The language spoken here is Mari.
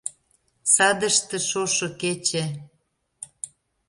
Садыште — шошо кече.